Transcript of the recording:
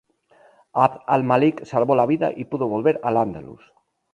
Abd al-Málik salvó la vida y pudo volver a al-Ándalus.